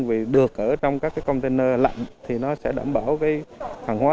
vì được ở trong các cái container lạnh thì nó sẽ đảm bảo cái hàng hóa